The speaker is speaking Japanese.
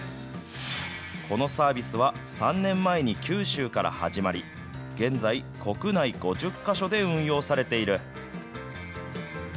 このサービスは、３年前に九州から始まり、現在、国内５０か所で運用されている。